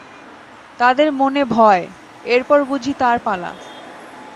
তাঁদের মনে ভয়, এরপর বুঝি তাঁর পালা।